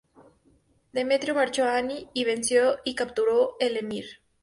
Demetrio marchó a Ani, y venció y capturó el emir.